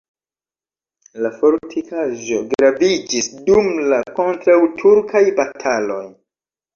La fortikaĵo graviĝis dum la kontraŭturkaj bataloj.